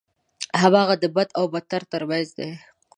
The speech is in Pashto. هماغه د بد او بدتر ترمنځ دی.